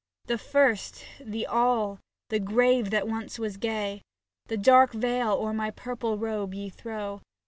The first, the all, the grave that once was gay, The dark veil o'er my purple robe ye throw.